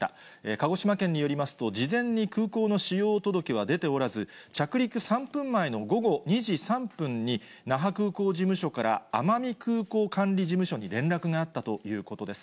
鹿児島県によりますと、事前に空港の使用届けは出ておらず、着陸３分前の午後２時３分に那覇空港事務所から奄美空港管理事務所に連絡があったということです。